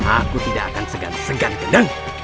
aku tidak akan segan segan kendeng